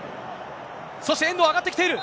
そして、遠藤、上がってきている。